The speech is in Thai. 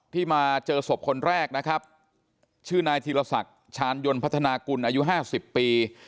มาเจอศพคนแรกนะครับชื่อนายธีรศักดิ์ชาญยนต์พัฒนากุลอายุห้าสิบปี